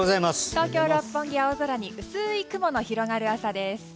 東京・六本木は青空に薄い雲の広がる朝です。